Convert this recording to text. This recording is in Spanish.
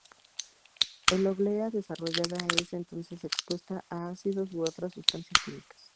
El oblea desarrollada es entonces expuesta a ácidos u otras sustancias químicas.